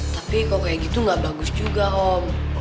tapi kalau kayak gitu gak bagus juga om